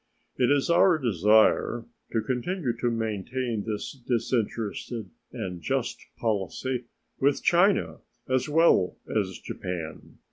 It is our desire to continue to maintain this disinterested and just policy with China as well as Japan.